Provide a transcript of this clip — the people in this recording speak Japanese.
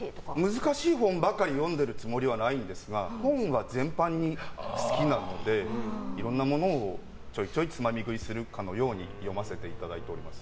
難しい本ばかり読んでいるつもりはないんですが本は全般に好きなのでいろんなものをちょいちょいつまみ食いするかのように読ませていただいております。